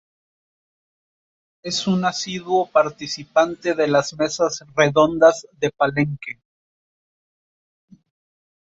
Es un asiduo participante de las Mesas Redondas de Palenque.